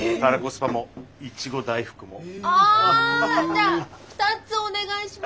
じゃあ２つお願いします。